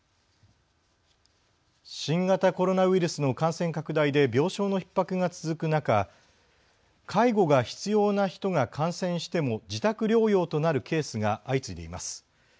新型コロナウイルスの感染拡大で病床のひっ迫が続く中介護が必要な人が感染しても自宅療養となるケースが相次いでいます。